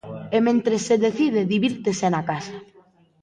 E mentres se decide divírtese na casa.